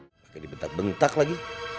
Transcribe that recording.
pakai dibentak bentak lagi